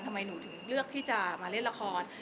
ทำไมหนูถึงเลือกที่จะมาเล่นละคร